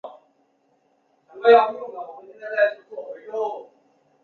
成化十四年中式戊戌科三甲进士。